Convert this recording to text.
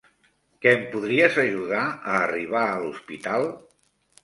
Que em podries ajudar a arribar a l'hospital?